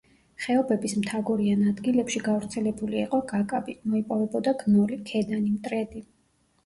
ხეობების მთაგორიან ადგილებში გავრცელებული იყო კაკაბი; მოიპოვებოდა გნოლი, ქედანი, მტრედი.